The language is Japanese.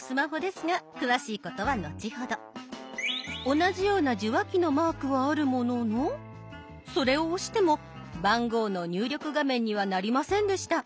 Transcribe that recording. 同じような受話器のマークはあるもののそれを押しても番号の入力画面にはなりませんでした。